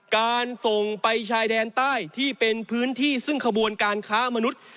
การส่งไปชายแดนใต้ที่เป็นพื้นที่ซึ่งขบวนการค้ามนุษย์